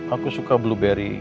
aku suka blueberry